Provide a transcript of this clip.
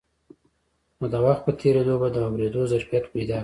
نو د وخت په تېرېدو به د اورېدو ظرفيت پيدا کړي.